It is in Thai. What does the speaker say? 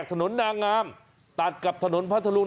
ถนนนางามตัดกับถนนพระทะลุง